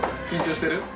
緊張してる？